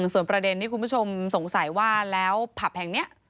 ส่วนประเด็นที่คุณผู้ชมสงสัยว่าแล้วผับแห่งนี้